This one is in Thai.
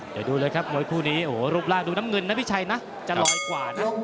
เดี๋ยวดูเลยครับมวยคู่นี้โอ้โหรูปร่างดูน้ำเงินนะพี่ชัยนะจะลอยกว่านะ